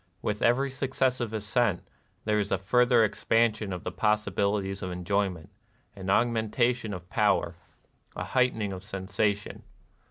With every succes sive ascent there is a further expansion of the possibilities of enjoyment, an augmentation of power, a heightening of sensation.